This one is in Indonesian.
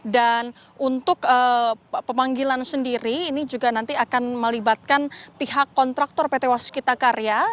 dan untuk pemanggilan sendiri ini juga nanti akan melibatkan pihak kontraktor pt wasikita karya